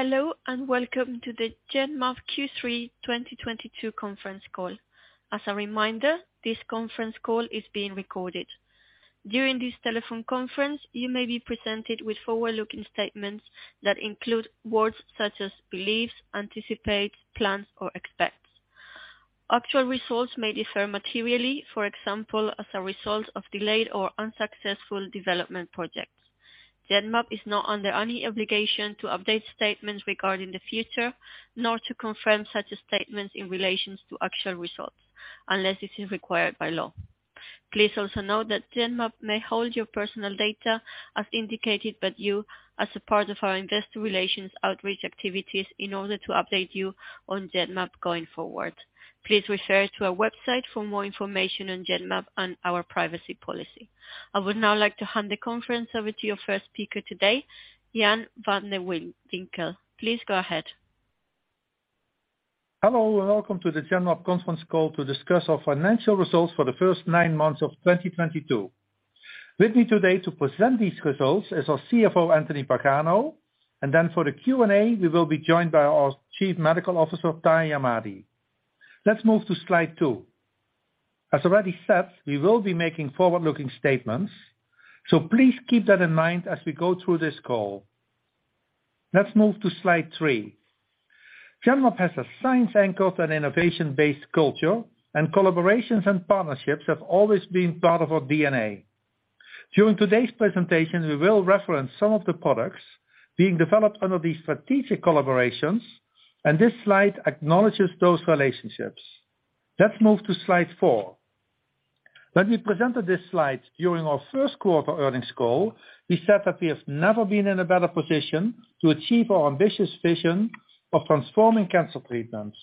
Hello, and welcome to the Genmab Q3 2022 conference call. As a reminder, this conference call is being recorded. During this telephone conference, you may be presented with forward-looking statements that include words such as believes, anticipate, plans, or expects. Actual results may differ materially, for example, as a result of delayed or unsuccessful development projects. Genmab is not under any obligation to update statements regarding the future, nor to confirm such statements in relation to actual results unless it is required by law. Please also note that Genmab may hold your personal data as indicated by you as a part of our investor relations outreach activities in order to update you on Genmab going forward. Please refer to our website for more information on Genmab and our privacy policy. I would now like to hand the conference over to your first speaker today, Jan van de Winkel. Please go ahead. Hello, and welcome to the Genmab conference call to discuss our financial results for the first 9 months of 2022. With me today to present these results is our CFO, Anthony Pagano, and then for the Q&A, we will be joined by our Chief Medical Officer, Tahamtan Ahmadi. Let's move to slide 2. As already said, we will be making forward-looking statements, so please keep that in mind as we go through this call. Let's move to slide 3. Genmab has a science-anchored and innovation-based culture, and collaborations and partnerships have always been part of our DNA. During today's presentation, we will reference some of the products being developed under these strategic collaborations, and this slide acknowledges those relationships. Let's move to slide 4. When we presented this slide during our Q1 earnings call, we said that we have never been in a better position to achieve our ambitious vision of transforming cancer treatments.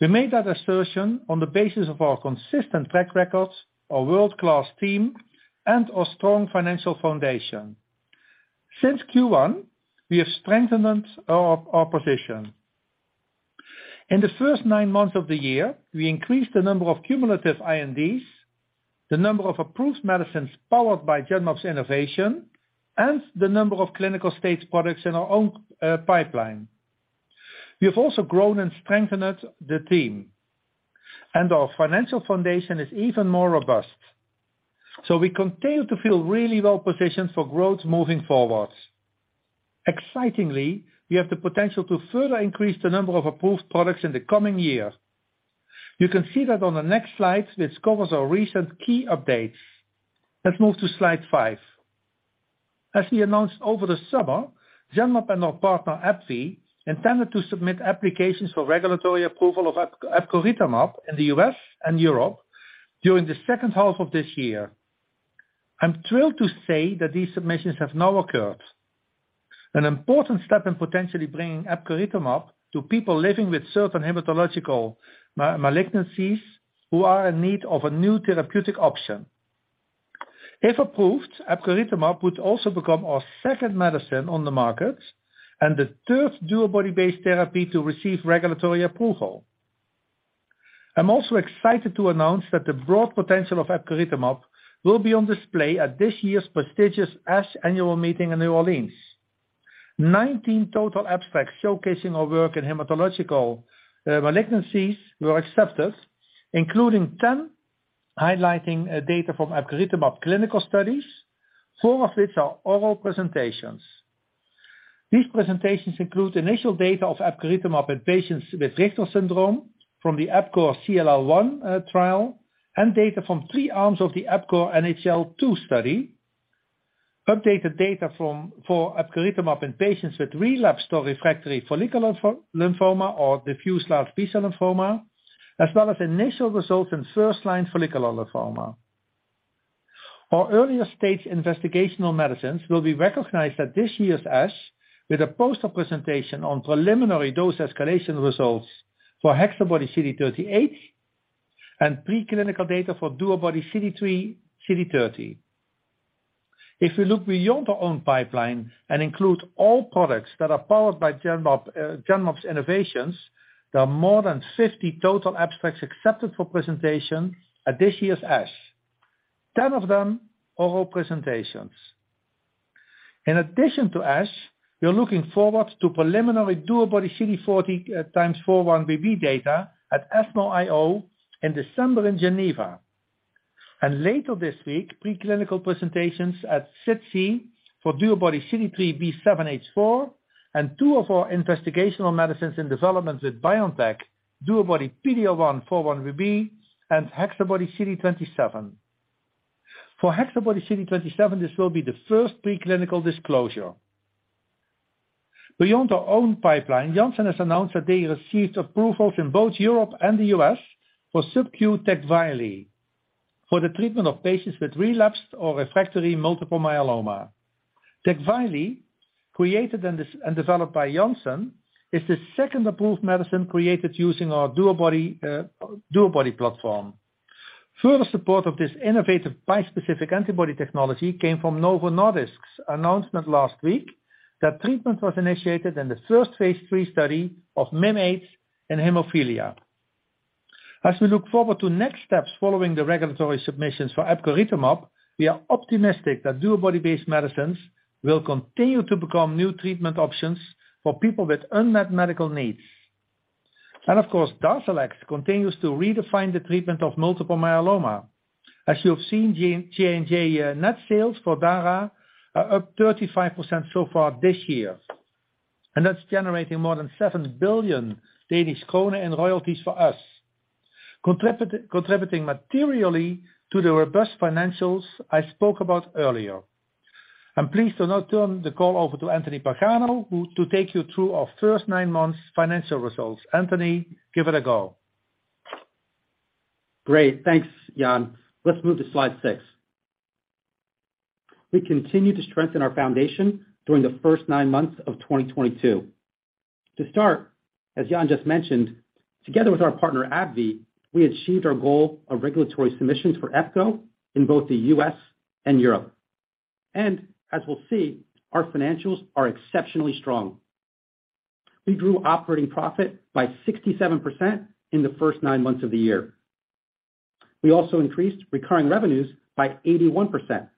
We made that assertion on the basis of our consistent track records, our world-class team, and our strong financial foundation. Since Q1, we have strengthened our position. In the first nine months of the year, we increased the number of cumulative INDs, the number of approved medicines powered by Genmab's innovation, and the number of clinical-stage products in our own pipeline. We have also grown and strengthened the team, and our financial foundation is even more robust. We continue to feel really well-positioned for growth moving forward. Excitingly, we have the potential to further increase the number of approved products in the coming year. You can see that on the next slide, which covers our recent key updates. Let's move to slide five. As we announced over the summer, Genmab and our partner AbbVie intended to submit applications for regulatory approval of epcoritimab in the U.S. and Europe during the second half of this year. I'm thrilled to say that these submissions have now occurred, an important step in potentially bringing epcoritimab to people living with certain hematological malignancies who are in need of a new therapeutic option. If approved, epcoritimab would also become our second medicine on the market and the third DuoBody-based therapy to receive regulatory approval. I'm also excited to announce that the broad potential of epcoritimab will be on display at this year's prestigious ASH Annual Meeting in New Orleans. 19 total abstracts showcasing our work in hematological malignancies were accepted, including 10 highlighting data from epcoritimab clinical studies, 4 of which are oral presentations. These presentations include initial data of epcoritimab in patients with Richter syndrome from the EPCORERE CLL-1 trial, and data from 3 arms of the EPCORERE NHL-2 study. Updated data for epcoritimab in patients with relapsed or refractory follicular lymphoma or diffuse large B-cell lymphoma, as well as initial results in first-line follicular lymphoma. Our earlier stage investigational medicines will be recognized at this year's ASH with a poster presentation on preliminary dose escalation results for HexaBody-CD38 and preclinical data for DuoBody-CD3xCD30. If we look beyond our own pipeline and include all products that are powered by Genmab's innovations, there are more than 50 total abstracts accepted for presentation at this year's ASH, 10 of them oral presentations. In addition to ASH, we are looking forward to preliminary DuoBody-CD40x4-1BB data at ESMO IO in December in Geneva. Later this week, preclinical presentations at SITC for DuoBody-CD3xB7H4 and two of our investigational medicines in development with BioNTech, DuoBody-PD-L1x4-1BB and HexaBody-CD27. For HexaBody-CD27, this will be the first preclinical disclosure. Beyond our own pipeline, Janssen has announced that they received approvals in both Europe and the U.S. for subQ TECVAYLI for the treatment of patients with relapsed or refractory multiple myeloma. TECVAYLI, created and developed by Janssen, is the second approved medicine created using our DuoBody platform. Further support of this innovative bispecific antibody technology came from Novo Nordisk's announcement last week that treatment was initiated in the first Phase III study of Mim8 in hemophilia. We look forward to next steps following the regulatory submissions for epcoritimab. We are optimistic that DuoBody-based medicines will continue to become new treatment options for people with unmet medical needs. Of course, DARZALEX continues to redefine the treatment of multiple myeloma. As you have seen, J&J net sales for Dara are up 35% so far this year, and that's generating more than 7 billion Danish krone in royalties for us, contributing materially to the robust financials I spoke about earlier. I'm pleased to now turn the call over to Anthony Pagano to take you through our first nine months financial results. Anthony, give it a go. Great. Thanks, Jan. Let's move to slide 6. We continue to strengthen our foundation during the first 9 months of 2022. To start, as Jan just mentioned, together with our partner, AbbVie, we achieved our goal of regulatory submissions for EPCORE in both the U.S. and Europe. As we'll see, our financials are exceptionally strong. We grew operating profit by 67% in the first 9 months of the year. We also increased recurring revenues by 81%.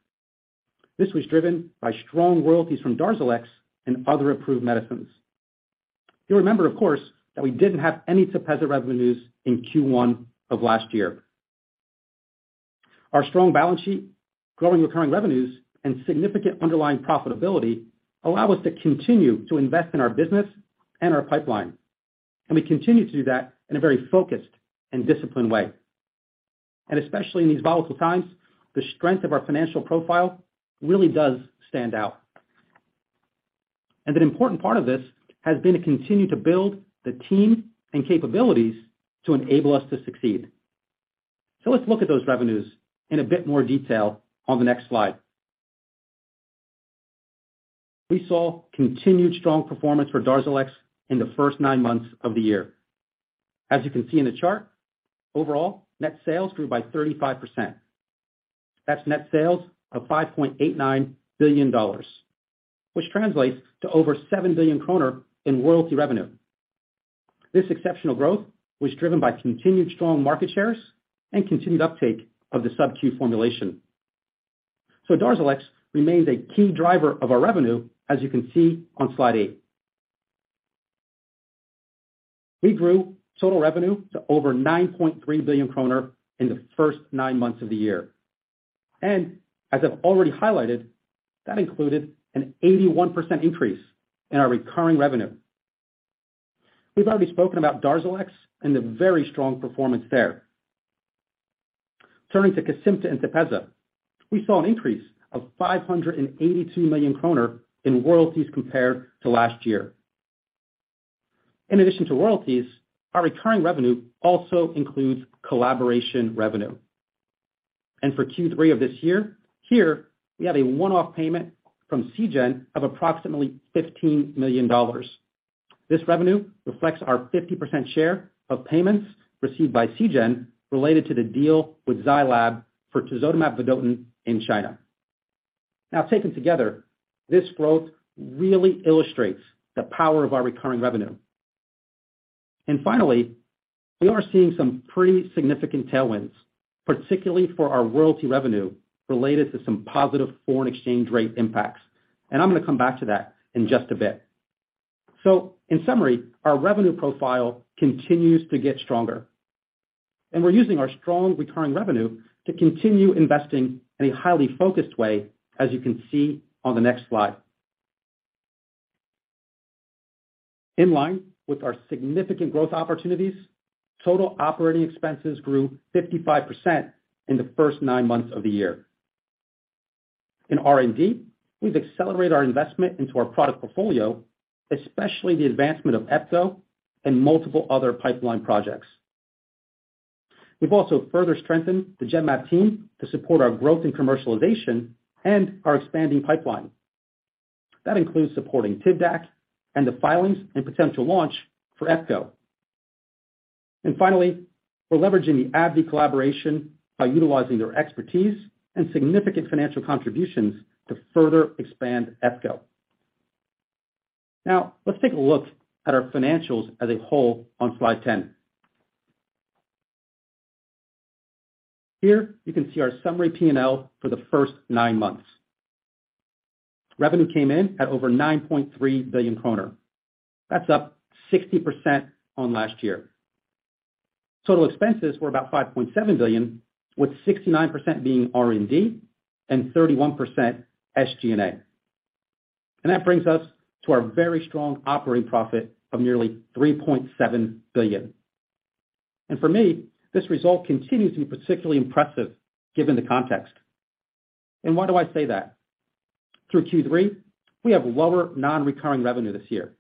This was driven by strong royalties from DARZALEX and other approved medicines. You'll remember, of course, that we didn't have any TEPEZZA revenues in Q1 of last year. Our strong balance sheet, growing recurring revenues, and significant underlying profitability allow us to continue to invest in our business and our pipeline. We continue to do that in a very focused and disciplined way. Especially in these volatile times, the strength of our financial profile really does stand out. An important part of this has been to continue to build the team and capabilities to enable us to succeed. Let's look at those revenues in a bit more detail on the next slide. We saw continued strong performance for DARZALEX in the first nine months of the year. As you can see in the chart, overall, net sales grew by 35%. That's net sales of $5.89 billion, which translates to over 7 billion kroner in royalty revenue. This exceptional growth was driven by continued strong market shares and continued uptake of the subQ formulation. DARZALEX remains a key driver of our revenue, as you can see on slide eight. We grew total revenue to over 9.3 billion kroner in the first nine months of the year. As I've already highlighted, that included an 81% increase in our recurring revenue. We've already spoken about DARZALEX and the very strong performance there. Turning to Kesimpta and TEPEZZA, we saw an increase of 582 million kroner in royalties compared to last year. In addition to royalties, our recurring revenue also includes collaboration revenue. For Q3 of this year, here we have a one-off payment from Seagen of approximately $15 million. This revenue reflects our 50% share of payments received by Seagen related to the deal with Zai Lab for tisotumab vedotin in China. Now, taken together, this growth really illustrates the power of our recurring revenue. Finally, we are seeing some pretty significant tailwinds, particularly for our royalty revenue, related to some positive foreign exchange rate impacts. I'm gonna come back to that in just a bit. In summary, our revenue profile continues to get stronger, and we're using our strong recurring revenue to continue investing in a highly focused way, as you can see on the next slide. In line with our significant growth opportunities, total operating expenses grew 55% in the first nine months of the year. In R&D, we've accelerated our investment into our product portfolio, especially the advancement of EPCORE and multiple other pipeline projects. We've also further strengthened the Genmab team to support our growth in commercialization and our expanding pipeline. That includes supporting TIVDAK and the filings and potential launch for EPCORE. Finally, we're leveraging the AbbVie collaboration by utilizing their expertise and significant financial contributions to further expand Epcoritamab. Now, let's take a look at our financials as a whole on slide 10. Here you can see our summary P&L for the first nine months. Revenue came in at over 9.3 billion kroner. That's up 60% on last year. Total expenses were about 5.7 billion, with 69% being R&D and 31% SG&A. That brings us to our very strong operating profit of nearly 3.7 billion. For me, this result continues to be particularly impressive given the context. Why do I say that? Through Q3, we have lower non-recurring revenue this year,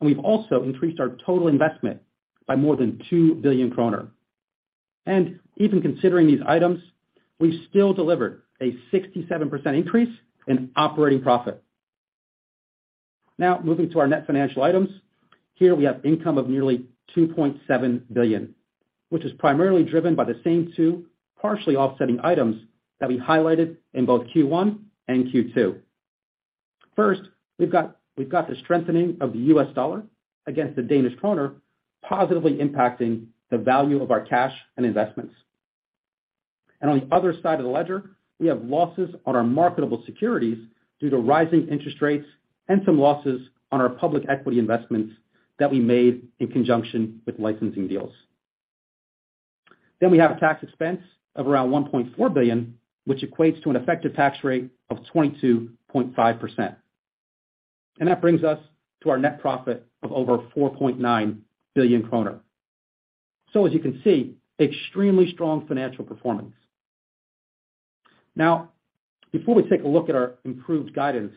and we've also increased our total investment by more than 2 billion kroner. Even considering these items, we still delivered a 67% increase in operating profit. Now, moving to our net financial items. Here we have income of nearly 2.7 billion, which is primarily driven by the same two partially offsetting items that we highlighted in both Q1 and Q2. First, we've got the strengthening of the US dollar against the Danish krone positively impacting the value of our cash and investments. On the other side of the ledger, we have losses on our marketable securities due to rising interest rates and some losses on our public equity investments that we made in conjunction with licensing deals. We have a tax expense of around 1.4 billion, which equates to an effective tax rate of 22.5%. That brings us to our net profit of over 4.9 billion krone. As you can see, extremely strong financial performance. Now, before we take a look at our improved guidance,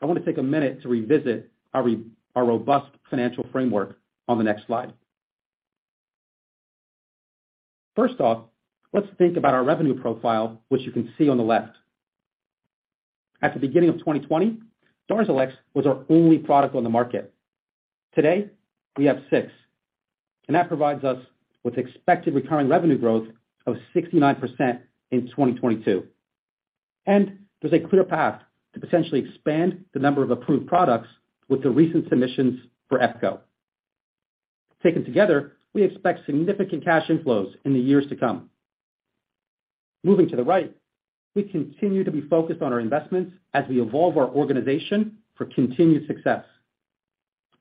I want to take a minute to revisit our robust financial framework on the next slide. First off, let's think about our revenue profile, which you can see on the left. At the beginning of 2020, DARZALEX was our only product on the market. Today, we have six, and that provides us with expected recurring revenue growth of 69% in 2022. There's a clear path to potentially expand the number of approved products with the recent submissions for epcoritimab. Taken together, we expect significant cash inflows in the years to come. Moving to the right, we continue to be focused on our investments as we evolve our organization for continued success.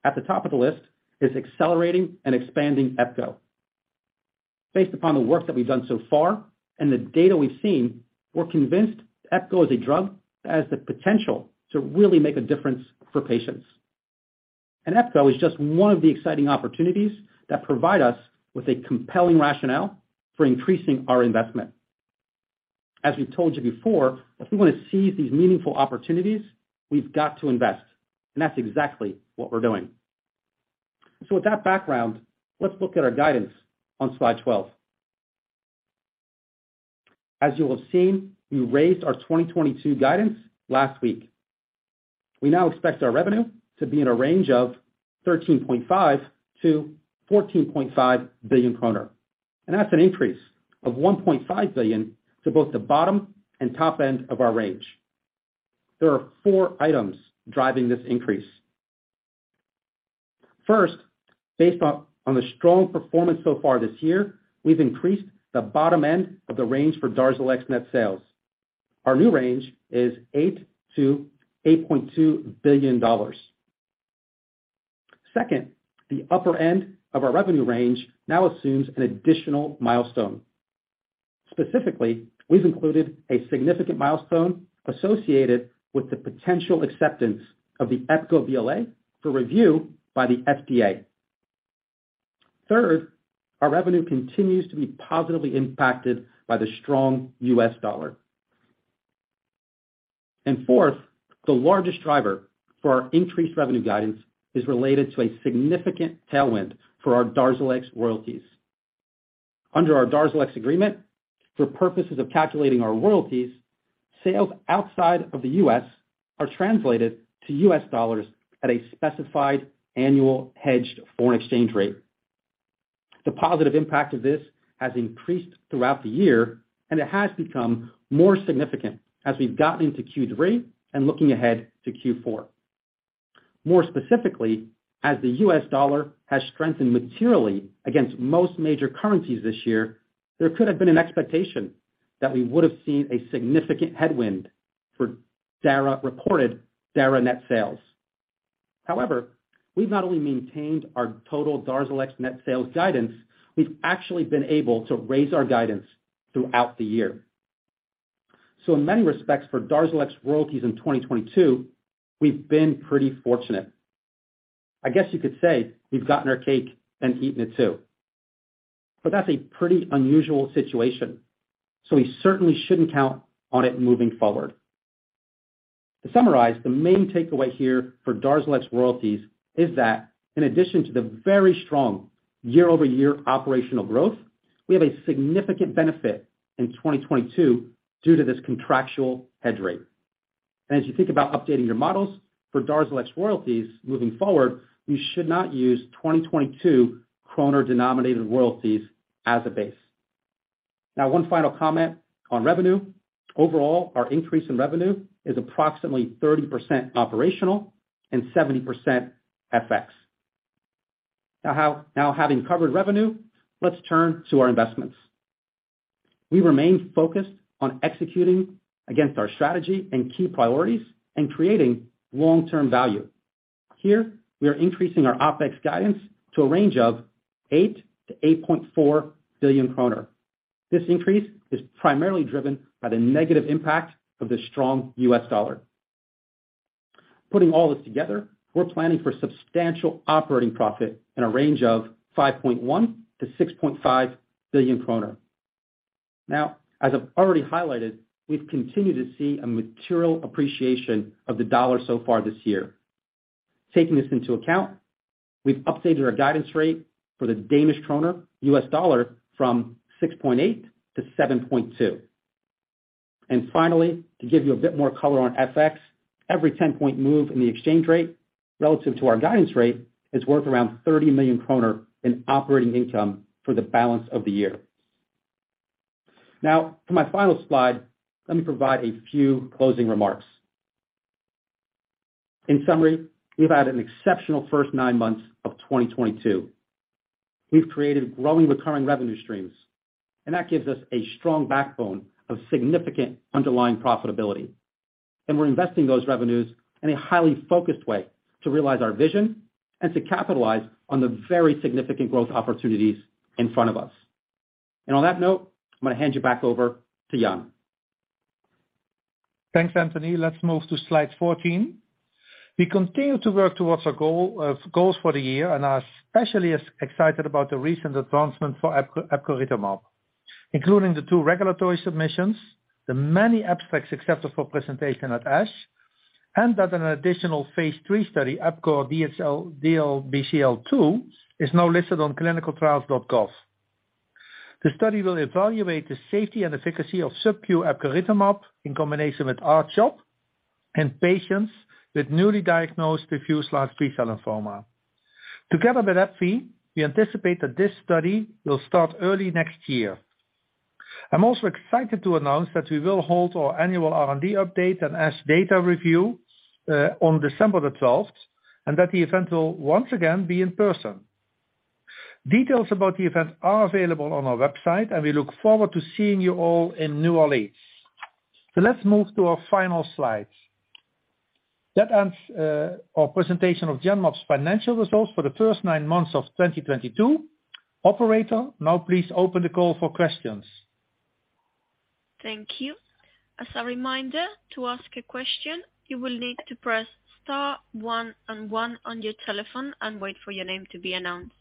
At the top of the list is accelerating and expanding epcoritimab. Based upon the work that we've done so far and the data we've seen, we're convinced epcoritimab is a drug that has the potential to really make a difference for patients. Epcoritimab is just one of the exciting opportunities that provide us with a compelling rationale for increasing our investment. As we told you before, if we want to seize these meaningful opportunities, we've got to invest, and that's exactly what we're doing. With that background, let's look at our guidance on slide 12. As you will have seen, we raised our 2022 guidance last week. We now expect our revenue to be in a range of 13.5 billion-14.5 billion kroner, and that's an increase of 1.5 billion to both the bottom and top end of our range. There are four items driving this increase. First, based on the strong performance so far this year, we've increased the bottom end of the range for DARZALEX net sales. Our new range is $8 billion-$8.2 billion. Second, the upper end of our revenue range now assumes an additional milestone. Specifically, we've included a significant milestone associated with the potential acceptance of the epcoritimab BLA for review by the FDA. Third, our revenue continues to be positively impacted by the strong U.S. dollar. Fourth, the largest driver for our increased revenue guidance is related to a significant tailwind for our DARZALEX royalties. Under our DARZALEX agreement, for purposes of calculating our royalties, sales outside of the U.S. are translated to U.S. dollars at a specified annual hedged foreign exchange rate. The positive impact of this has increased throughout the year, and it has become more significant as we've gotten into Q3 and looking ahead to Q4. More specifically, as the U.S. dollar has strengthened materially against most major currencies this year, there could have been an expectation that we would have seen a significant headwind for DARZALEX-reported DARZALEX net sales. However, we've not only maintained our total DARZALEX net sales guidance, we've actually been able to raise our guidance throughout the year. So in many respects, for DARZALEX royalties in 2022, we've been pretty fortunate. I guess you could say we've gotten our cake and eaten it too. That's a pretty unusual situation, so we certainly shouldn't count on it moving forward. To summarize, the main takeaway here for DARZALEX royalties is that in addition to the very strong year-over-year operational growth, we have a significant benefit in 2022 due to this contractual hedge rate. As you think about updating your models for DARZALEX royalties moving forward, you should not use 2022 krone-denominated royalties as a base. Now, one final comment on revenue. Overall, our increase in revenue is approximately 30% operational and 70% FX. Now having covered revenue, let's turn to our investments. We remain focused on executing against our strategy and key priorities and creating long-term value. Here, we are increasing our OpEx guidance to a range of 8 billion-8.4 billion kroner. This increase is primarily driven by the negative impact of the strong U.S. dollar. Putting all this together, we're planning for substantial operating profit in a range of 5.1 billion-6.5 billion kroner. Now, as I've already highlighted, we've continued to see a material appreciation of the dollar so far this year. Taking this into account, we've updated our guidance rate for the Danish krone, US dollar from 6.8-7.2. Finally, to give you a bit more color on FX, every 10-point move in the exchange rate relative to our guidance rate is worth around 30 million kroner in operating income for the balance of the year. Now to my final slide, let me provide a few closing remarks. In summary, we've had an exceptional first nine months of 2022. We've created growing recurring revenue streams, and that gives us a strong backbone of significant underlying profitability. We're investing those revenues in a highly focused way to realize our vision and to capitalize on the very significant growth opportunities in front of us. On that note, I'm gonna hand you back over to Jan. Thanks, Anthony. Let's move to slide 14. We continue to work towards our goals for the year and are especially excited about the recent advancement for epcoritimab, including the two regulatory submissions, the many abstracts accepted for presentation at ASH, and that an additional Phase III study, EPCORE DLBCL-2, is now listed on ClinicalTrials.gov. The study will evaluate the safety and efficacy of subQ epcoritimab in combination with R-CHOP in patients with newly diagnosed diffuse large B-cell lymphoma. Together with AbbVie, we anticipate that this study will start early next year. I'm also excited to announce that we will hold our annual R&D update and ASH data review on December 12, and that the event will once again be in person. Details about the event are available on our website, and we look forward to seeing you all in New Orleans. Let's move to our final slide. That ends our presentation of Genmab's financial results for the first 9 months of 2022. Operator, now please open the call for questions. Thank you. As a reminder, to ask a question, you will need to press star one and one on your telephone and wait for your name to be announced.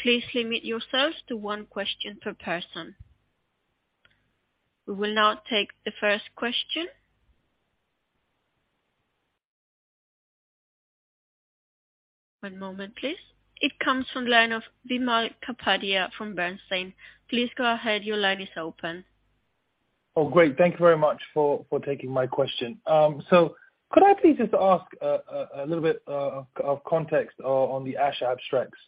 Please limit yourselves to one question per person. We will now take the first question. One moment, please. It comes from line of Vimal Kapadia from Bernstein. Please go ahead. Your line is open. Oh, great. Thank you very much for taking my question. Could I please just ask a little bit of context on the ASH abstracts?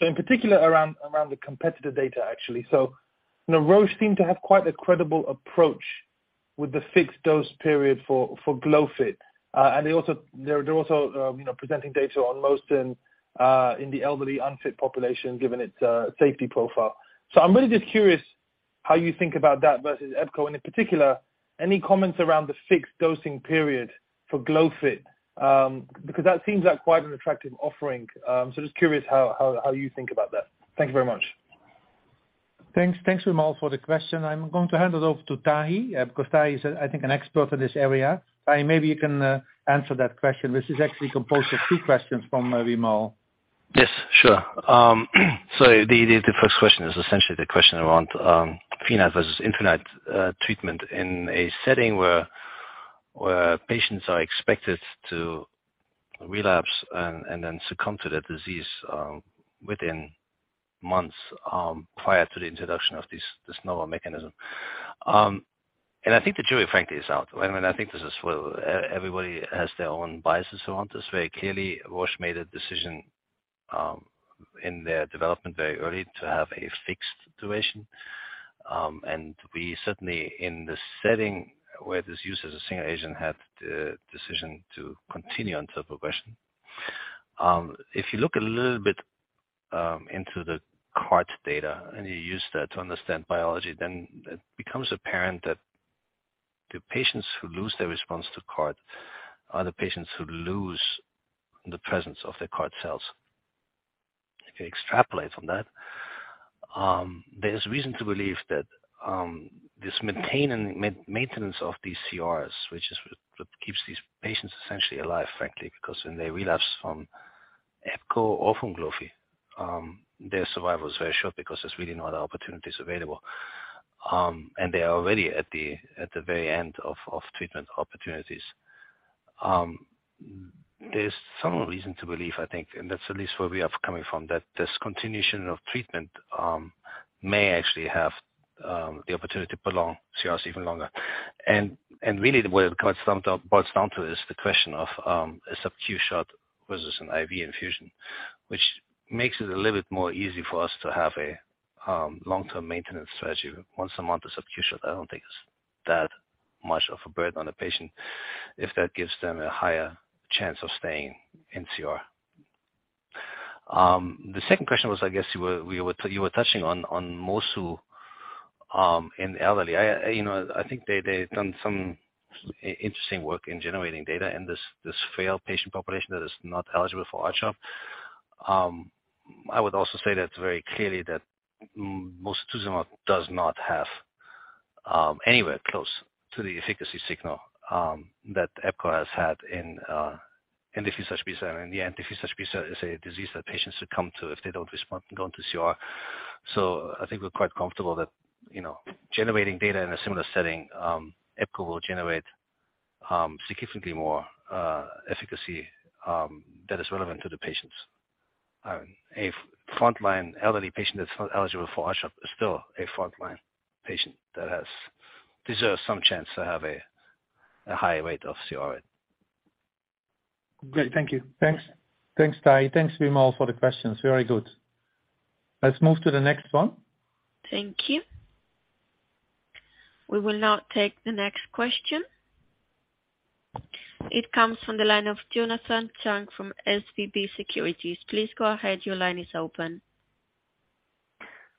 In particular around the competitive data, actually. You know, Roche seem to have quite a credible approach with the fixed dose period for glofitamab. And they're also presenting data on mosunetuzumab in the elderly unfit population given its safety profile. I'm really just curious how you think about that versus epcoritimab, and in particular, any comments around the fixed dosing period for glofitamab? Because that seems like quite an attractive offering. Just curious how you think about that. Thank you very much. Thanks. Thanks, Vimal, for the question. I'm going to hand it over to Tahi, because Tahi is, I think, an expert in this area. Tahi, maybe you can answer that question, which is actually composed of two questions from Vimal. Yes, sure. So the first question is essentially the question around finite versus infinite treatment in a setting where patients are expected to relapse and then succumb to the disease within months prior to the introduction of this novel mechanism. I think the jury frankly is out. I mean, I think this is where everybody has their own biases around this. Very cleerly, Roche made a decision in their development very early to have a fixed duration. We certainly, in the setting where this use as a single agent had the decision to continue on therapy question. If you look a little bit into the CART data and you use that to understand biology, then it becomes apparent that the patients who lose their response to CART are the patients who lose the presence of their CART cells. If you extrapolate from that, there's reason to believe that this maintenance of these CRs, which is what keeps these patients essentially alive, frankly, because when they relapse from epcoritimab or from glofitamab, their survival is very short because there's really no other opportunities available. They are already at the very end of treatment opportunities. There's some reason to believe, I think, and that's at least where we are coming from, that this continuation of treatment may actually have the opportunity to prolong CRs even longer. Really the way it boils down to is the question of a subQ shot versus an IV infusion, which makes it a little bit more easy for us to have a long-term maintenance strategy once a month of subQ shot. I don't think it's that much of a burden on the patient if that gives them a higher chance of staying in CR. The second question was, I guess you were touching on mosunetuzumab in the elderly. You know, I think they have done some interesting work in generating data in this frail patient population that is not eligible for R-CHOP. I would also say very clearly that mosunetuzumab does not have anywhere close to the efficacy signal that epcoritimab has had in diffuse large B-cell lymphoma. The diffuse large B-cell is a disease that patients succumb to if they don't go into CR. I think we're quite comfortable that, you know, generating data in a similar setting, EPCORE will generate significantly more efficacy that is relevant to the patients. A frontline elderly patient that's not eligible for R-CHOP is still a frontline patient that deserves some chance to have a higher rate of CR. Great. Thank you. Thanks. Thanks, Tahi. Thanks, Vimal, for the questions. Very good. Let's move to the next one. Thank you. We will now take the next question. It comes from the line of Jonathan Chang from SVB Securities. Please go ahead. Your line is open.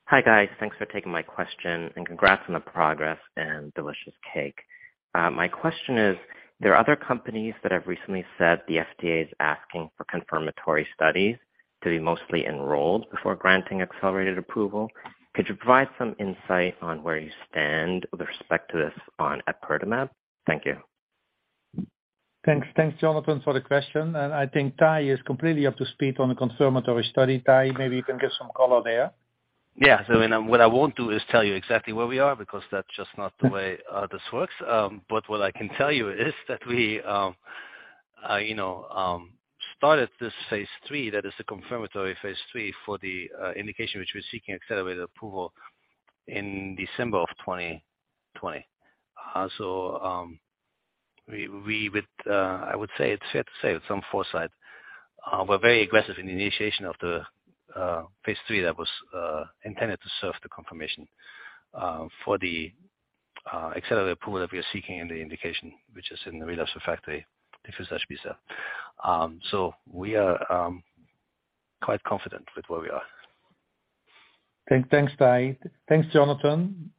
Hi, guys. Thanks for taking my question, and congrats on the progress and delicious cake. My question is, there are other companies that have recently said the FDA is asking for confirmatory studies to be mostly enrolled before granting accelerated approval. Could you provide some insight on where you stand with respect to this on epcoritimab? Thank you. Thanks. Thanks, Jonathan, for the question. I think Tahi is completely up to speed on the confirmatory study. Tahi, maybe you can give some color there. What I won't do is tell you exactly where we are because that's just not the way this works. What I can tell you is that we, you know, started this Phase III that is a confirmatory Phase III for the indication which we're seeking accelerated approval in December of 2020. We would, I would say it's fair to say with some foresight, we're very aggressive in the initiation of the Phase III that was intended to serve the confirmation for the accelerated approval that we are seeking in the indication which is in the relapsed refractory diffuse large B-cell. We are quite confident with where we are. Thanks, Tahamtan Ahmadi. Thanks, Jonathan Chang,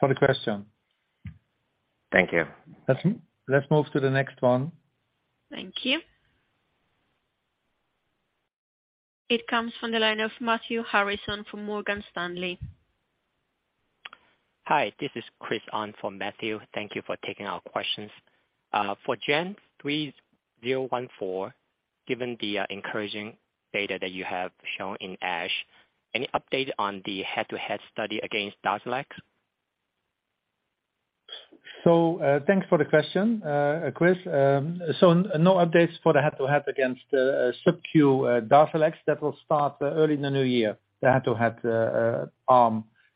for the question. Thank you. Let's move to the next one. Thank you. It comes from the line of Matthew Harrison from Morgan Stanley. Hi, this is Chris Ahn for Matthew. Thank you for taking our questions. For GEN3014, given the encouraging data that you have shown in ASH, any update on the head-to-head study against DARZALEX? Thanks for the question, Chris Ahn. No updates for the head-to-head against subQ DARZALEX. That will start early in the new year. The head-to-head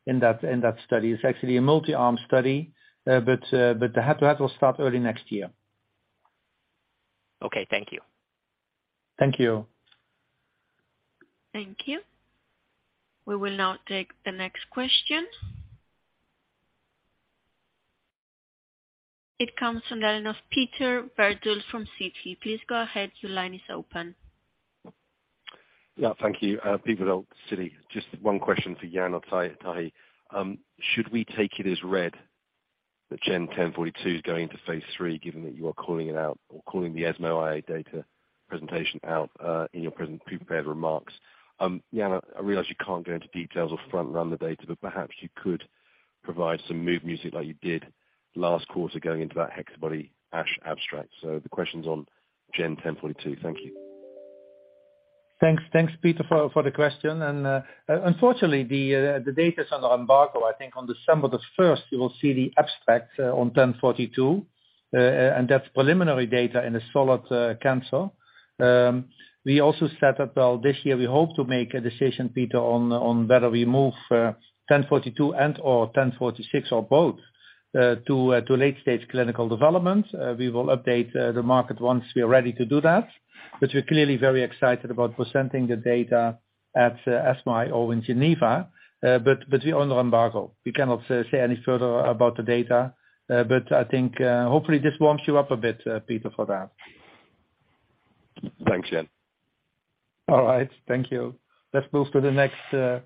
in that study. It's actually a multi-arm study, but the head-to-head will start early next year. Okay, thank you. Thank you. Thank you. We will now take the next question. It comes from the line of Peter Verdult from Citi. Please go ahead. Your line is open. Yeah, thank you. Peter Verdult, Citi. Just one question for Jan or Tahi. Should we take it as read that GEN1042 is going to Phase III, given that you are calling it out or calling the ESMO I-O data presentation out, in your pre-prepared remarks? Jan, I realize you can't go into details or front run the data, but perhaps you could provide some mood music like you did last quarter going into that HexaBody ASH abstract. The question's on GEN1042. Thank you. Thanks. Thanks, Peter, for the question. Unfortunately, the data is under embargo. I think on December 1, you will see the abstract on 1042, and that's preliminary data in a solid cancer. We also, well, this year, we hope to make a decision, Peter, on whether we move 1042 and/or 1046 or both to late stage clinical development. We will update the market once we are ready to do that. We're clearly very excited about presenting the data at ESMO or in Geneva. We're under embargo. We cannot say any further about the data. I think hopefully this warms you up a bit, Peter, for that. Thanks, Jan. All right. Thank you. Let's move to the next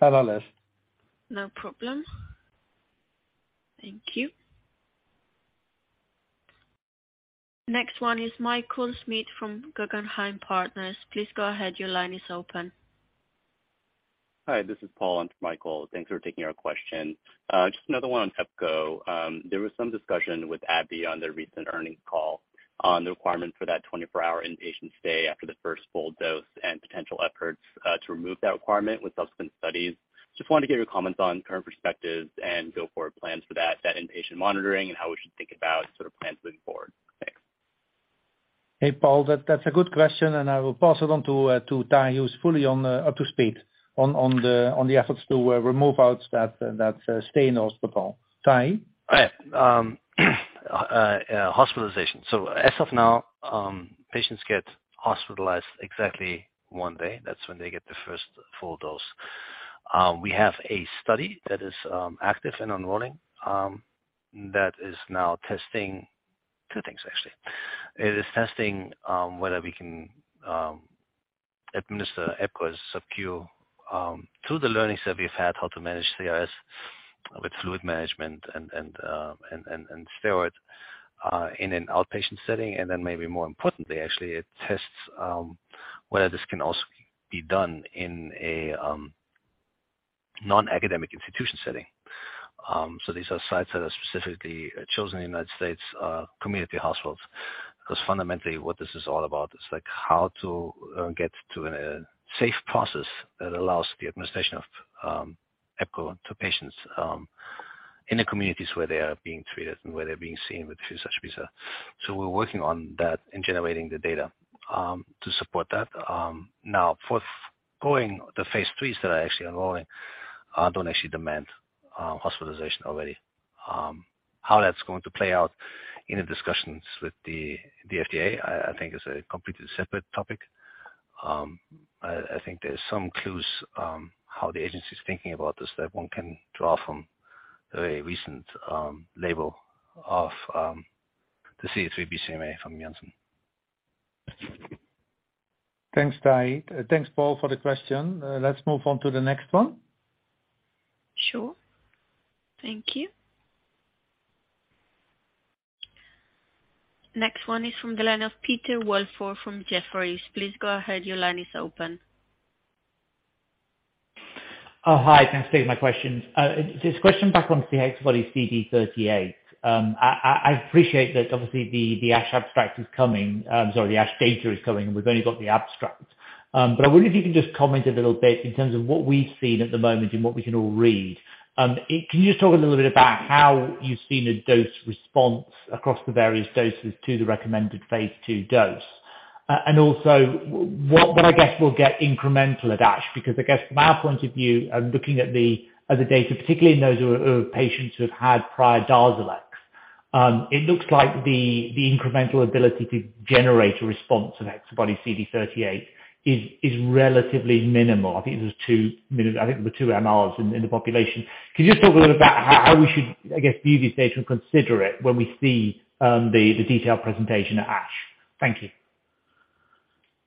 analyst. No problem. Thank you. Next one is Michael Schmidt from Guggenheim Partners. Please go ahead. Your line is open. Hi, this is Paul in for Michael. Thanks for taking our question. Just another one on epcoritimab. There was some discussion with AbbVie on their recent earnings call on the requirement for that 24-hour inpatient stay after the first full dose and potential efforts to remove that requirement with subsequent studies. Just wanted to get your comments on current perspectives and go forward plans for that inpatient monitoring and how we should think about sort of plans moving forward. Thanks. Hey, Paul, that's a good question, and I will pass it on to Tahamtan Ahmadi, who's fully up to speed on the efforts to remove that stay in hospital. Tahamtan Ahmadi? All right. Hospitalization. As of now, patients get hospitalized exactly one day. That's when they get the first full dose. We have a study that is active and enrolling that is now testing two things, actually. It is testing whether we can administer epcoritimab's subQ through the learnings that we've had how to manage CRS with fluid management and steroid in an outpatient setting. Then maybe more importantly, actually, it tests whether this can also be done in a non-academic institution setting. These are sites that are specifically chosen in the United States community hospitals. Because fundamentally, what this is all about is, like, how to get to a safe process that allows the administration of EPCORE to patients in the communities where they are being treated and where they're being seen with such disease. We're working on that and generating the data to support that. Now, the Phase IIIs that are actually enrolling don't actually demand hospitalization already. How that's going to play out in the discussions with the FDA, I think is a completely separate topic. I think there's some clues how the agency is thinking about this, that one can draw from the recent label of the CD3xBCMA from Janssen. Thanks, Tai. Thanks, Paul, for the question. Let's move on to the next one. Sure. Thank you. Next one is from the line of Peter Welford from Jefferies. Please go ahead. Your line is open. Oh, hi, thanks for taking my questions. This question back on to the HexaBody-CD38. I appreciate that obviously the ASH abstract is coming. Sorry, the ASH data is coming, and we've only got the abstract. But I wonder if you can just comment a little bit in terms of what we've seen at the moment and what we can all read. Can you just talk a little bit about how you've seen a dose-response across the various doses to the recommended phase 2 dose? Also what would I guess we'll get incremental at ASH because I guess from our point of view and looking at the data, particularly in those patients who have had prior DARZALEX, it looks like the incremental ability to generate a response of HexaBody-CD38 is relatively minimal. I think there were two MRs in the population. Can you just talk a little about how we should, I guess, view this data and consider it when we see the detailed presentation at ASH? Thank you.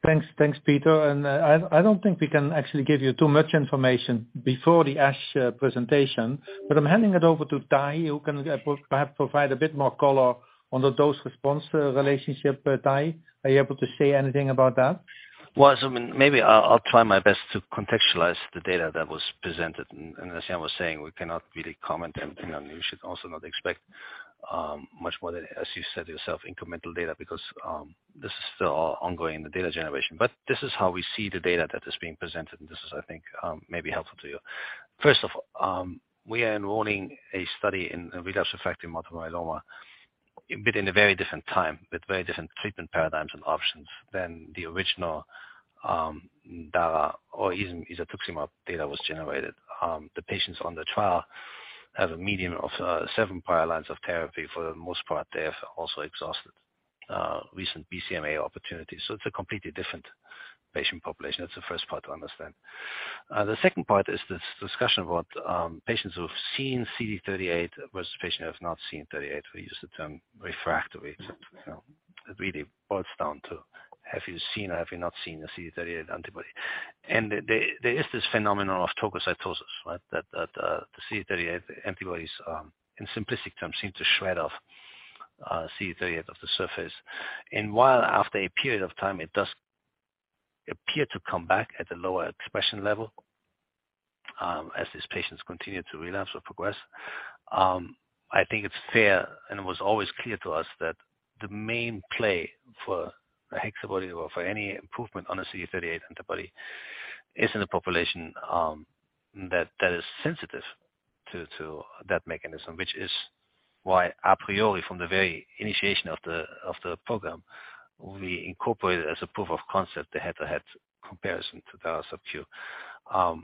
Thanks. Thanks, Peter. I don't think we can actually give you too much information before the ASH presentation, but I'm handing it over to Tai, who can perhaps provide a bit more color on the dose-response relationship. Tai, are you able to say anything about that? Well, maybe I'll try my best to contextualize the data that was presented. As Jan was saying, we cannot really comment, and, you know, you should also not expect much more than, as you said yourself, incremental data, because this is still ongoing in the data generation. This is how we see the data that is being presented, and this is, I think, may be helpful to you. First of all, we are enrolling a study in relapsed/refractory multiple myeloma, but in a very different time, with very different treatment paradigms and options than the original data or even isatuximab data was generated. The patients on the trial have a median of seven prior lines of therapy. For the most part, they have also exhausted recent BCMA opportunities. It's a completely different patient population. That's the first part to understand. The second part is this discussion about patients who have seen CD38 versus patients who have not seen CD38. We use the term refractory. It's, you know, it really boils down to have you seen or have you not seen a CD38 antibody. There is this phenomenon of trogocytosis, right, that the CD38 antibodies, in simplistic terms, seem to shred off CD38 off the surface. While after a period of time, it does appear to come back at a lower expression level, as these patients continue to relapse or progress, I think it's fair, and it was always clear to us that the main play for a HexaBody or for any improvement on a CD38 antibody is in a population that is sensitive to that mechanism, which is why a priori from the very initiation of the program, we incorporated as a proof of concept, the head-to-head comparison to DARZALEX subQ.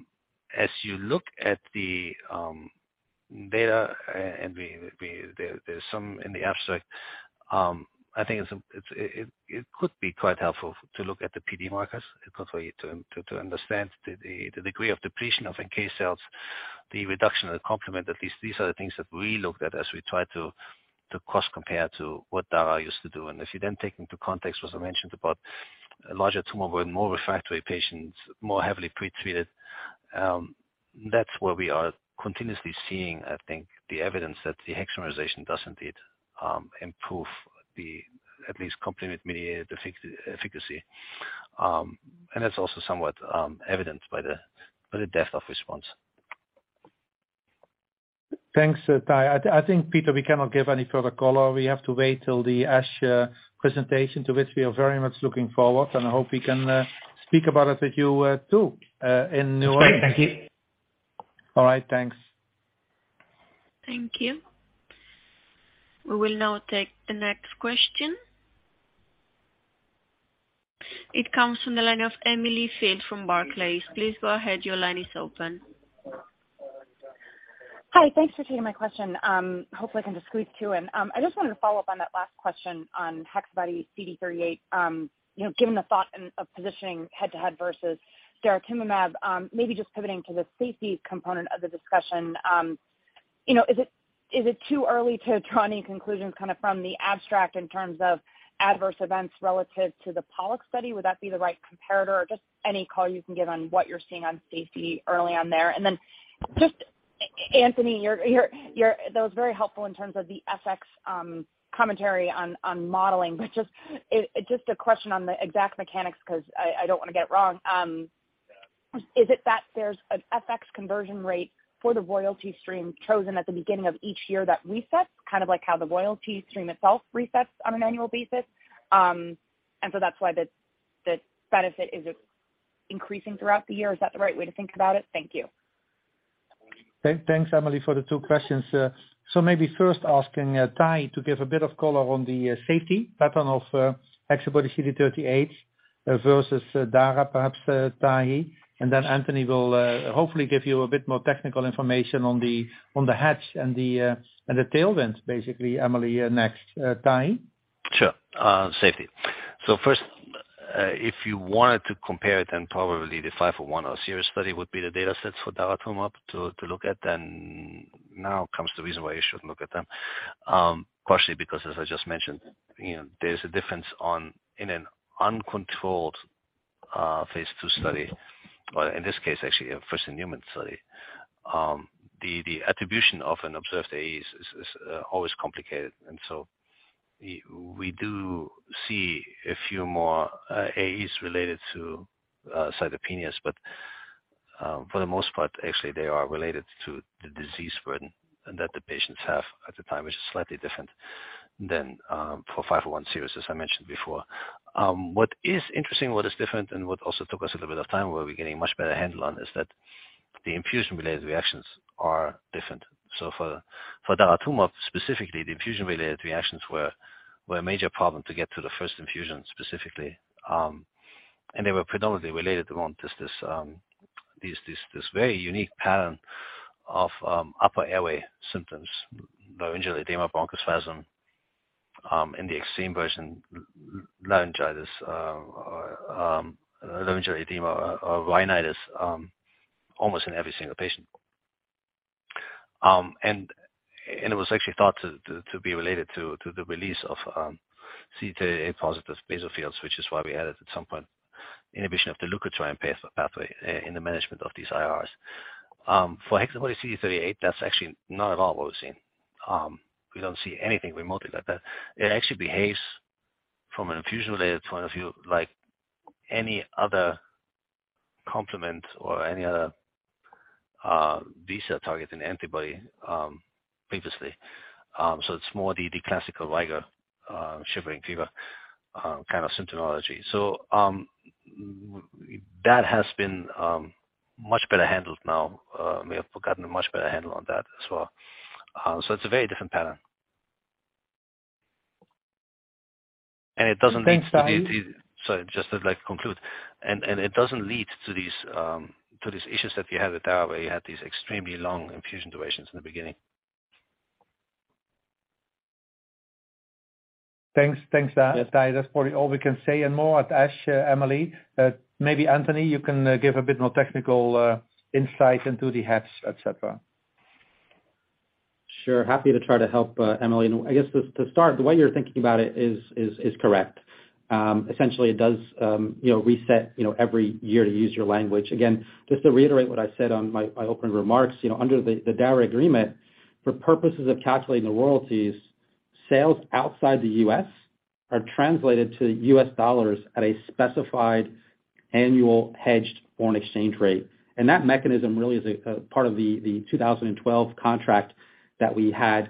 As you look at the data, there's some in the abstract, I think it could be quite helpful to look at the PD markers. It could help you to understand the degree of depletion of NK cells, the reduction of the complement. At least these are the things that we looked at as we try to cross-compare to what dara used to do. If you then take into context what I mentioned about a larger tumor burden, more refractory patients, more heavily pre-treated, that's where we are continuously seeing, I think, the evidence that the hexamerization does indeed improve the at least complement-mediated efficacy. That's also somewhat evident by the depth of response. Thanks, Tai. I think, Peter, we cannot give any further color. We have to wait till the ASH presentation, to which we are very much looking forward, and I hope we can speak about it with you too in New Orleans. Great. Thank you. All right. Thanks. Thank you. We will now take the next question. It comes from the line of Emily Field from Barclays. Please go ahead. Your line is open. Hi. Thanks for taking my question. Hopefully I can just squeeze two in. I just wanted to follow up on that last question on HexaBody-CD38. You know, given the end of positioning head to head versus daratumumab, maybe just pivoting to the safety component of the discussion, you know, is it too early to draw any conclusions kinda from the abstract in terms of adverse events relative to the POLLUX study? Would that be the right comparator? Or just any color you can give on what you're seeing on safety early on there. Then just, Anthony, your. That was very helpful in terms of the FX commentary on modeling. But just a question on the exact mechanics because I don't wanna get it wrong. Is it that there's an FX conversion rate for the royalty stream chosen at the beginning of each year that resets, kind of like how the royalty stream itself resets on an annual basis, and so that's why the benefit is increasing throughout the year? Is that the right way to think about it? Thank you. Thanks, Emily, for the two questions. Maybe first asking Tahi to give a bit of color on the safety pattern of HexaBody-CD38 versus Dara perhaps, Tahi, and then Anthony will hopefully give you a bit more technical information on the Hexa and the tailwind, basically. Emily next. Tahi? Sure. Safety. First, if you wanted to compare it, then probably the 501 or SIRIUS study would be the data sets for daratumumab to look at. Now comes the reason why you should look at them. Partially because as I just mentioned, you know, there's a difference in an uncontrolled phase 2 study, or in this case, actually a first in human study, the attribution of an observed AEs is always complicated. We do see a few more AEs related to cytopenias. For the most part, actually, they are related to the disease burden that the patients have at the time, which is slightly different than for 501 series, as I mentioned before. What is interesting, what is different and what also took us a little bit of time, where we're getting a much better handle on, is that the infusion-related reactions are different. For daratumumab, specifically, the infusion-related reactions were a major problem to get through the first infusion, specifically. They were predominantly related to this very unique pattern of upper airway symptoms, laryngeal edema, bronchospasm, in the extreme version, laryngitis, laryngeal edema or rhinitis, almost in every single patient. It was actually thought to be related to the release of C2a-positive basophils, which is why we added at some point inhibition of the leukotriene pathway in the management of these IRs. For HexaBody-CD38, that's actually not at all what we're seeing. We don't see anything remotely like that. It actually behaves from an infusion-related point of view, like any other complement or any other B-cell-targeting antibody previously. It's more the classical rigor, shivering fever kind of symptomatology. That has been much better handled now. We have gotten a much better handle on that as well. It's a very different pattern. It doesn't lead to the Thanks, Tahi. Sorry, just I'd like to conclude. It doesn't lead to these issues that we had at Dara, where you had these extremely long infusion durations in the beginning. Thanks. Thanks, Tahi. That's probably all we can say and more at ASH, Emily. Maybe Anthony, you can give a bit more technical insight into the hedge, et cetera. Sure. Happy to try to help, Emily. I guess to start, the way you're thinking about it is correct. Essentially it does, you know, reset, you know, every year to use your language. Again, just to reiterate what I said on my opening remarks, you know, under the Dara agreement, for purposes of calculating the royalties, sales outside the U.S. are translated to US dollars at a specified annual hedged foreign exchange rate. That mechanism really is a part of the 2012 contract that we had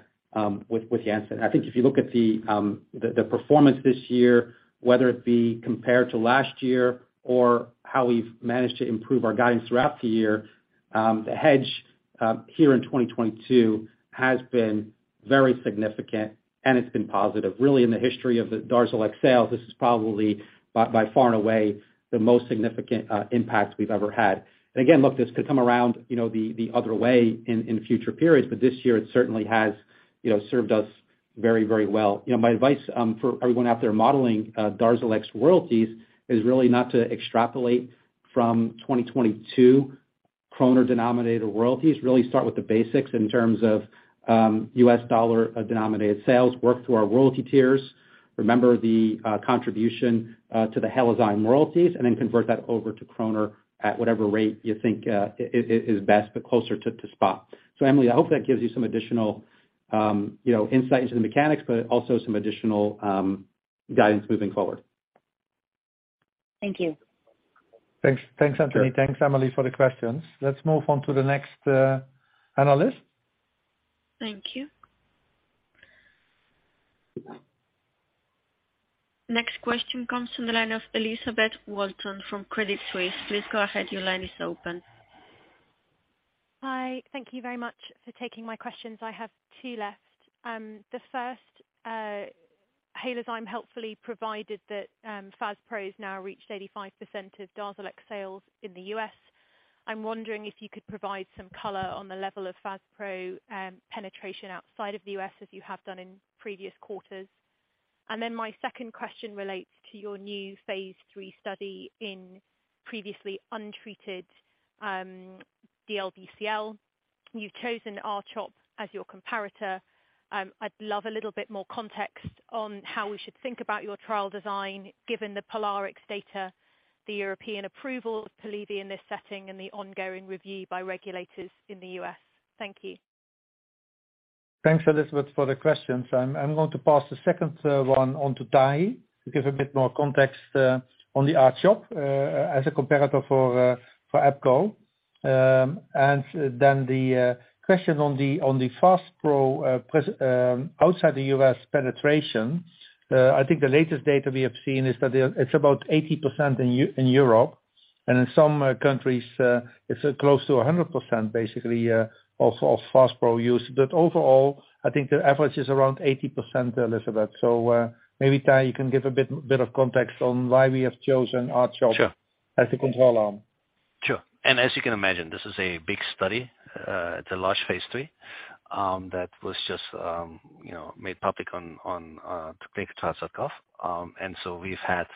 with Janssen. I think if you look at the performance this year, whether it be compared to last year or how we've managed to improve our guidance throughout the year, the hedge here in 2022 has been very significant, and it's been positive. Really in the history of the DARZALEX sales, this is probably by far and away the most significant impact we've ever had. Again, look, this could come around, you know, the other way in future periods, but this year it certainly has, you know, served us very, very well. You know, my advice for everyone out there modeling DARZALEX royalties is really not to extrapolate from 2022 krone-denominated royalties. Really start with the basics in terms of US dollar-denominated sales. Work through our royalty tiers. Remember the contribution to the Halozyme royalties, and then convert that over to kroner at whatever rate you think is best, but closer to spot. Emily, I hope that gives you some additional, you know, insight into the mechanics, but also some additional guidance moving forward. Thank you. Thanks. Thanks, Anthony. Sure. Thanks, Emily, for the questions. Let's move on to the next analyst. Thank you. Next question comes from the line of Elizabeth Walton from Credit Suisse. Please go ahead. Your line is open. Hi. Thank you very much for taking my questions. I have 2 left. The first, Janssen helpfully provided that Faspro has now reached 85% of DARZALEX sales in the US. I'm wondering if you could provide some color on the level of Faspro penetration outside of the US, as you have done in previous quarters. My second question relates to your new phase 3 study in previously untreated DLBCL. You've chosen R-CHOP as your comparator. I'd love a little bit more context on how we should think about your trial design, given the POLARIX data, the European approval of Polivy in this setting, and the ongoing review by regulators in the US. Thank you. Thanks, Elizabeth, for the questions. I'm going to pass the second one on to Tahi to give a bit more context on the R-CHOP as a comparator for EPCORE. Then the question on the Faspro outside the US penetration, I think the latest data we have seen is that it's about 80% in Europe. In some countries, it's close to 100% basically of Faspro use. But overall, I think the average is around 80%, Elizabeth. Maybe Ty you can give a bit of context on why we have chosen R-CHOP. Sure as the control arm. Sure. As you can imagine, this is a big study. It's a large phase three that was just you know made public on the ClinicalTrials.gov. And so we've had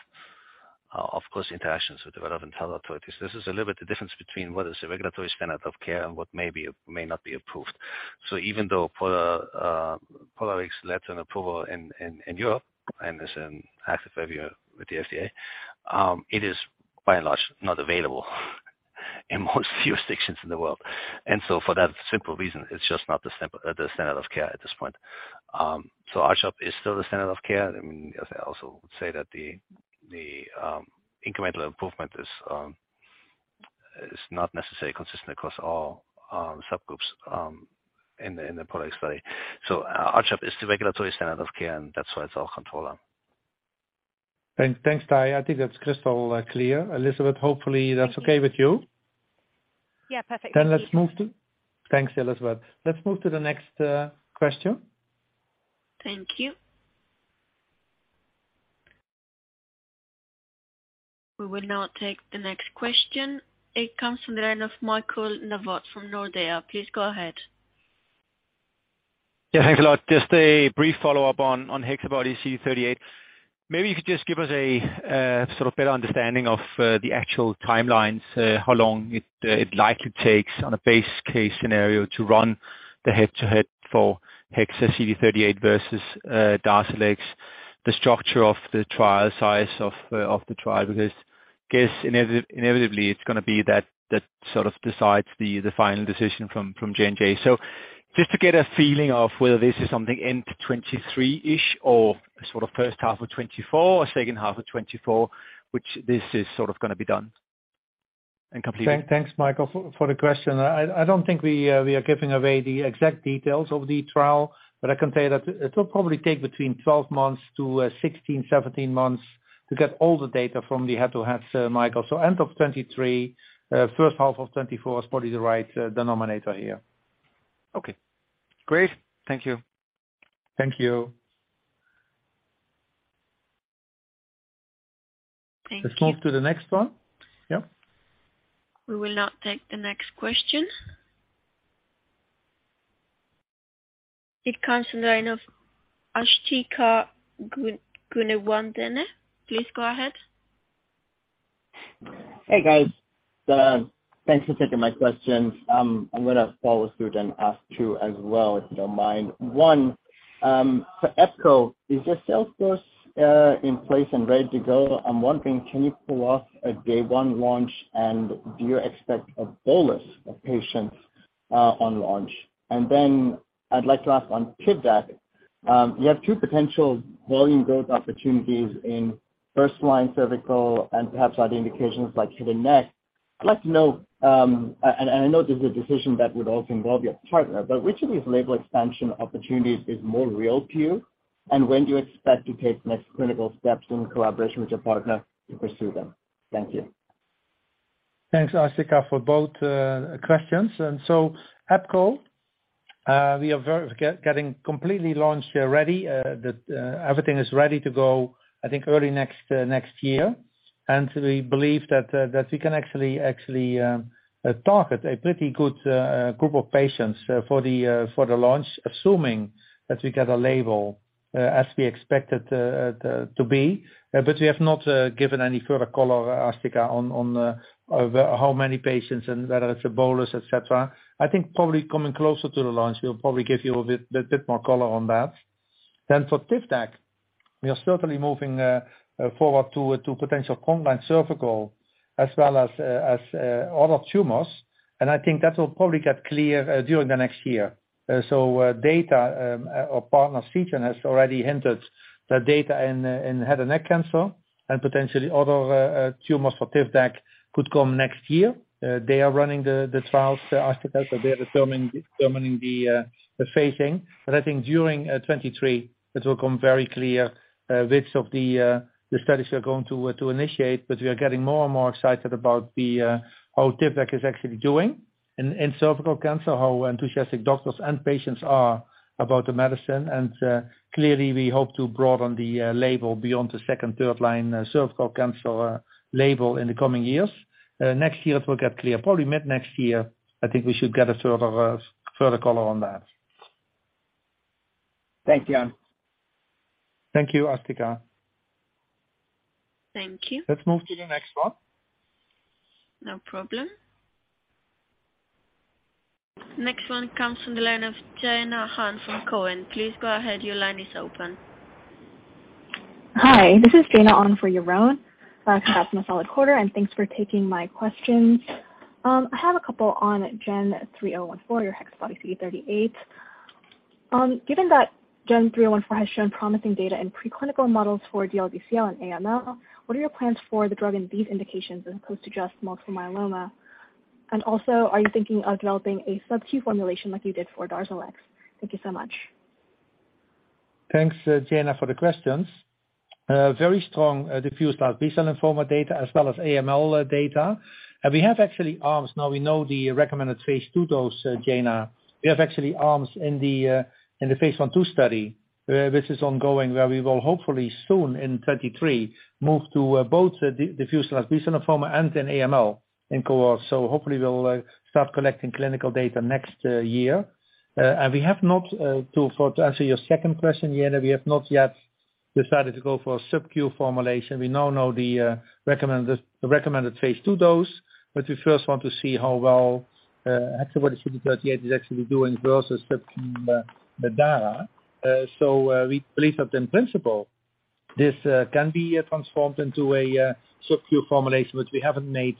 of course interactions with relevant health authorities. This is a little bit the difference between what is a regulatory standard of care and what may be or may not be approved. Even though Polivy got an approval in Europe and is in active review with the FDA, it is by and large not available in most jurisdictions in the world. For that simple reason, it's just not the standard of care at this point. R-CHOP is still the standard of care. I mean, as I also would say that the incremental improvement is not necessarily consistent across all subgroups in the product study. R-CHOP is the regulatory standard of care, and that's why it's our control arm. Thanks, Ty. I think that's crystal clear. Elizabeth, hopefully that's. Thank you. Okay with you. Yeah, perfect. Let's move to. Thank you. Thanks, Elizabeth. Let's move to the next question. Thank you. We will now take the next question. It comes from the line of Michael Novod from Nordea. Please go ahead. Yeah, thanks a lot. Just a brief follow-up on HexaBody-CD38. Maybe you could just give us a sort of better understanding of the actual timelines, how long it likely takes on a base case scenario to run the head-to-head for HexaBody-CD38 versus DARZALEX, the structure of the trial, size of the trial. Because I guess inevitably it's gonna be that that sort of decides the final decision from J&J. Just to get a feeling of whether this is something end of 2023-ish or sort of first half of 2024 or second half of 2024, which this is sort of gonna be done and completed. Thanks, Michael, for the question. I don't think we are giving away the exact details of the trial, but I can tell you that it'll probably take between 12 months to 16-17 months to get all the data from the head-to-heads, Michael. End of 2023, first half of 2024 is probably the right denominator here. Okay, great. Thank you. Thank you. Thank you. Let's move to the next one. Yeah. We will now take the next question. It comes in the line of Asthika Goonewardene. Please go ahead. Hey, guys. Thanks for taking my questions. I'm gonna follow through then ask two as well, if you don't mind. One, for EPCORE, is your sales force in place and ready to go? I'm wondering, can you pull off a day one launch, and do you expect a bolus of patients on launch? I'd like to ask on TIVDAK, you have two potential volume growth opportunities in first line cervical and perhaps other indications like head and neck. I'd like to know, I know this is a decision that would also involve your partner, but which of these label expansion opportunities is more real to you? And when do you expect to take next clinical steps in collaboration with your partner to pursue them? Thank you. Thanks, Asthika, for both questions. Epcoritimab, we are getting completely launched already. Everything is ready to go, I think early next year. We believe that we can actually target a pretty good group of patients for the launch, assuming that we get a label as we expect it to be. But we have not given any further color, Asthika, on how many patients and whether it's a bolus, et cetera. I think probably coming closer to the launch, we'll probably give you a bit more color on that. For TIVDAK, we are certainly moving forward to potential combined cervical as well as other tumors, and I think that will probably get clear during the next year. So data, our partner Seagen has already hinted the data in head and neck cancer and potentially other tumors for TIVDAK could come next year. They are running the trials, Astika, so they're determining the phasing. But I think during 2023 it will become very clear which of the studies we are going to initiate. But we are getting more and more excited about how TIVDAK is actually doing in cervical cancer, how enthusiastic doctors and patients are about the medicine. Clearly, we hope to broaden the label beyond the second, third line cervical cancer label in the coming years. Next year it will get clear. Probably mid-next year, I think we should get a sort of a further color on that. Thanks, Jan. Thank you, Asthika. Thank you. Let's move to the next one. No problem. Next one comes from the line of Jaina Han from Cowen. Please go ahead. Your line is open. Hi, this is Jaena Han on for Yaron Werber. Congrats on a solid quarter, and thanks for taking my questions. I have a couple on GEN3014, your HexaBody-CD38. Given that GEN3014 has shown promising data in preclinical models for DLBCL and AML, what are your plans for the drug in these indications as opposed to just multiple myeloma? And also, are you thinking of developing a sub-Q formulation like you did for DARZALEX? Thank you so much. Thanks, Jaina, for the questions. Very strong diffuse large B-cell lymphoma data as well as AML data. Now we know the recommended phase 2 dose, Jaina. We have actually asked in the phase 1/2 study, which is ongoing, where we will hopefully soon in 2023 move to both the diffuse large B-cell lymphoma and in AML in cohort. Hopefully we'll start collecting clinical data next year. To answer your second question, Jaina, we have not yet decided to go for a subQ formulation. We now know the recommended phase 2 dose, but we first want to see how well actually what CD38 is actually doing versus with the data. We believe that in principle, this can be transformed into a subQ formulation, but we haven't made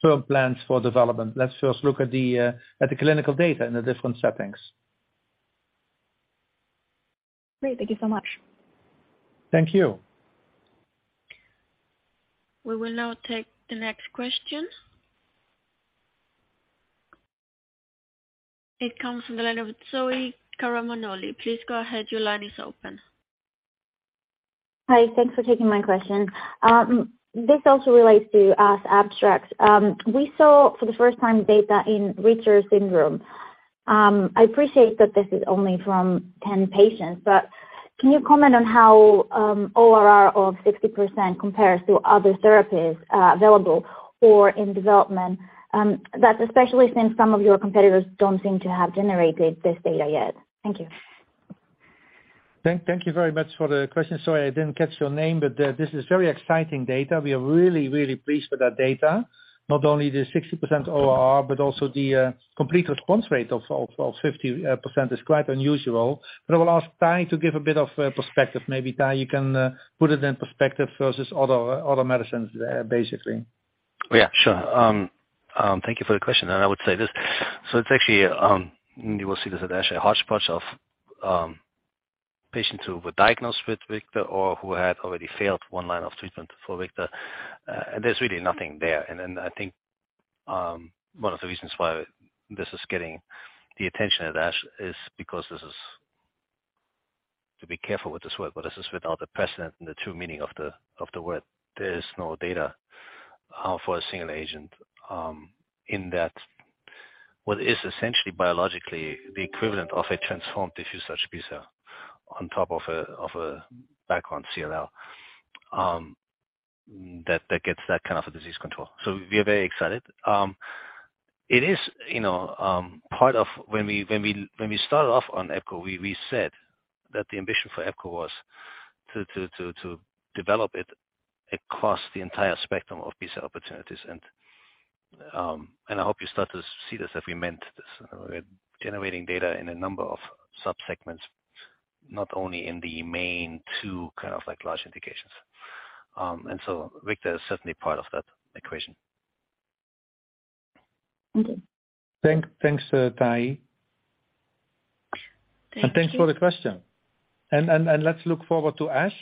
firm plans for development. Let's first look at the clinical data in the different settings. Great. Thank you so much. Thank you. We will now take the next question. It comes from the line of Zoe Karamanoli. Please go ahead. Your line is open. Hi. Thanks for taking my question. This also relates to ASH abstracts. We saw for the first time data in Richter syndrome. I appreciate that this is only from 10 patients, but can you comment on how ORR of 60% compares to other therapies available or in development, that especially since some of your competitors don't seem to have generated this data yet? Thank you. Thank you very much for the question. Sorry, I didn't catch your name, but this is very exciting data. We are really pleased with that data. Not only the 60% ORR, but also the complete response rate of 50% is quite unusual. I will ask Tahi to give a bit of perspective. Maybe, Tahi, you can put it in perspective versus other medicines, basically. Yeah, sure. Thank you for the question, and I would say this. It's actually you will see this at ASH, a hodgepodge of patients who were diagnosed with Richter or who had already failed one line of treatment for Richter. There's really nothing there. I think one of the reasons why this is getting the attention at ASH is because this is. To be careful with this word, but this is without the precedent and the true meaning of the word. There is no data for a single agent in that what is essentially biologically the equivalent of a transformed diffuse large B-cell on top of a background CLL that gets that kind of a disease control. We are very excited. It is, you know, part of when we started off on epcoritimab, we said that the ambition for epcoritimab was to develop it across the entire spectrum of B-cell opportunities. I hope you start to see this as we meant this. We're generating data in a number of subsegments, not only in the main two kind of like large indications. Richter is certainly part of that equation. Okay. Thanks, Tahamtan Ahmadi. Thank you. Thanks for the question. Let's look forward to ASH.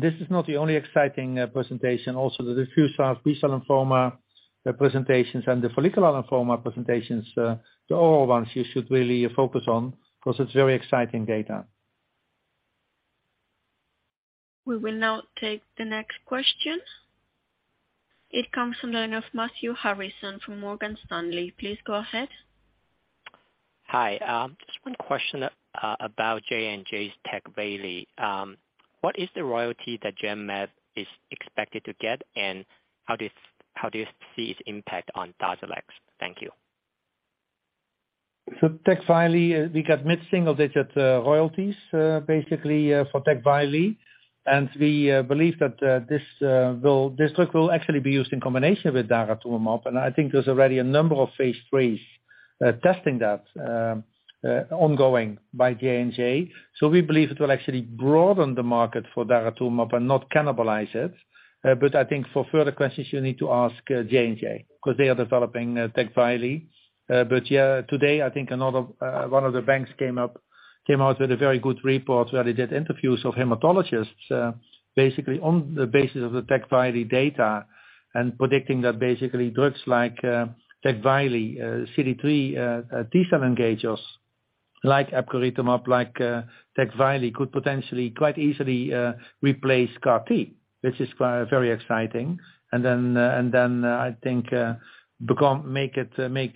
This is not the only exciting presentation. Also the diffuse large B-cell lymphoma presentations and the follicular lymphoma presentations, they're all ones you should really focus on because it's very exciting data. We will now take the next question. It comes from the line of Matthew Harrison from Morgan Stanley. Please go ahead. Hi. Just one question about J&J's TECVAYLI. What is the royalty that Genmab is expected to get, and how do you see its impact on DARZALEX? Thank you. TECVAYLI, we got mid-single digit royalties, basically, for TECVAYLI, and we believe that this drug will actually be used in combination with daratumumab. I think there's already a number of phase 3s testing that ongoing by J&J. We believe it will actually broaden the market for daratumumab and not cannibalize it. But I think for further questions you need to ask J&J, 'cause they are developing TECVAYLI. Yeah, today I think another one of the banks came out with a very good report where they did interviews of hematologists basically on the basis of the TECVAYLI data and predicting that basically drugs like TECVAYLI, CD3 T-cell engagers like epcoritimab, like TECVAYLI, could potentially quite easily replace CAR T, which is very exciting. Then I think make it make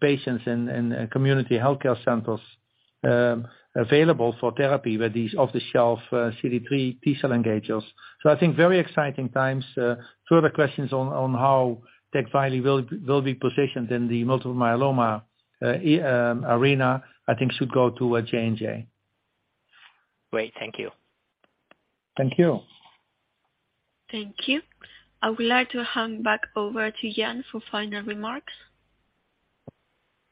patients in community healthcare centers available for therapy with these off-the-shelf CD3 T-cell engagers. I think very exciting times. Further questions on how TECVAYLI will be positioned in the multiple myeloma arena I think should go to J&J. Great. Thank you. Thank you. Thank you. I would like to hand back over to Jan for final remarks.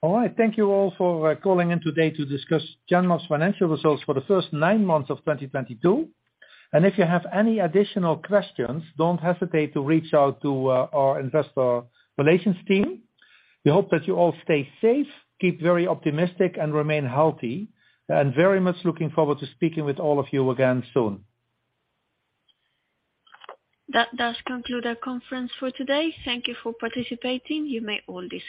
All right. Thank you all for calling in today to discuss Genmab's financial results for the first nine months of 2022. If you have any additional questions, don't hesitate to reach out to our investor relations team. We hope that you all stay safe, keep very optimistic, and remain healthy. I'm very much looking forward to speaking with all of you again soon. That does conclude our conference for today. Thank you for participating. You may all disconnect.